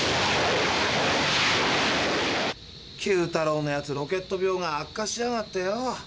九太郎のやつロケット病が悪化しやがってよ